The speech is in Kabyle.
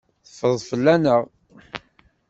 Teffreḍ fell-aneɣ.